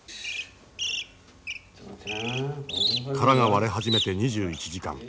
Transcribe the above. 殻が割れ始めて２１時間。